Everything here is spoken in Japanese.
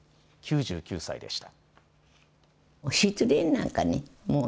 ９９歳でした。